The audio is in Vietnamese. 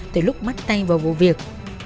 từ lúc mắt tay vào vụ việc